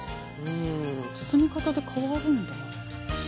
包み方で変わるんだ。